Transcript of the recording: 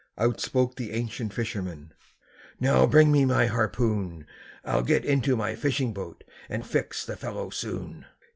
Out spoke the ancient fisherman, "Now bring me my harpoon! I'll get into my fishing boat, and fix the fellow soon."